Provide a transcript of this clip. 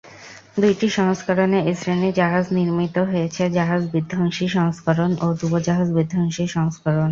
দুইটি সংস্করণে এই শ্রেণির জাহাজ নির্মিত হয়েছে- জাহাজ-বিধ্বংসী সংস্করণ ও ডুবোজাহাজ-বিধ্বংসী সংস্করণ।